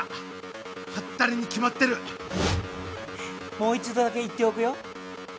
もう一度だけ言っておくよ。